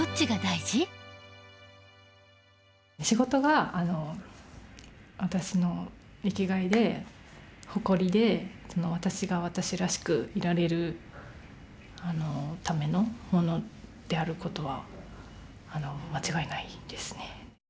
仕事が私の生きがいで誇りで私が私らしくいられるためのものである事は間違いないですね。